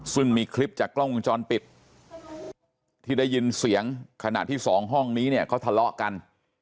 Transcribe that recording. ซึ่งมีคลิปจากกล้องวงจรปิดที่ได้ยินเสียงขณะที่สองห้องนี้เนี่ยเขาทะเลาะกัน